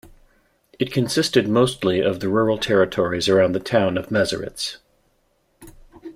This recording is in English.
It consisted mostly of the rural territories around the town of Meseritz.